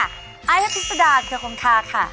อาหัฐพิสันาเธอกัมธาค่ะ